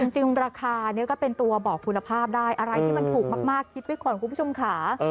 จริงราคานี้ก็เป็นตัวบอกคุณภาพได้อะไรที่มันถูกมากคิดไว้ก่อนคุณผู้ชมค่ะ